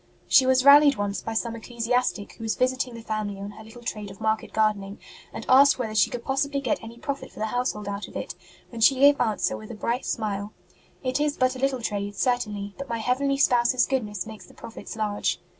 She was rallied once by some ecclesiastic who was visiting the family on her little trade of market gardening, and asked whether she could possibly get any profit for the household out of it, when she gave answer with a bright smile : It is but a little trade, certainly, but my heavenly Spouse s goodness makes the profits large.